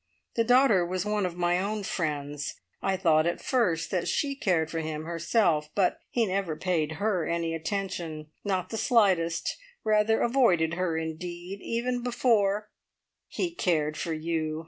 The daughter was one of my own friends. I thought at first that she cared for him herself, but he never paid her any attention not the slightest; rather avoided her indeed, even before " "He cared for you.